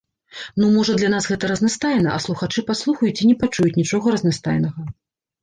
Ну, можа, для нас гэта разнастайна, а слухачы паслухаюць і не пачуюць нічога разнастайнага.